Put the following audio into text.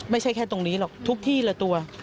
ไม่ใช่แค่ตรงนี้หรอกทุกที่ละตัว